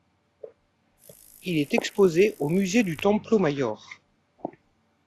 Il est exposé au musée du Templo Mayor.